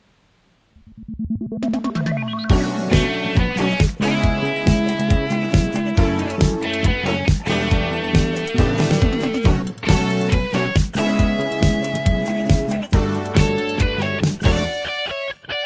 สวัสดีครับ